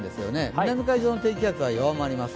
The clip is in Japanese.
南海上の低気圧は弱まります。